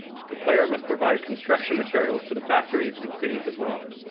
The player must provide construction materials to the factories and cities as well.